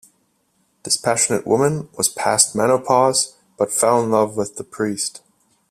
This passionate woman was past menopause but fell in love with the priest.